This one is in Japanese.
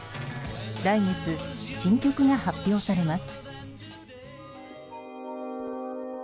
来月、新曲が発表されます。